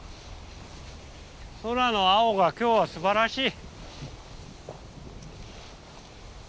空の青が今日はすばらしい！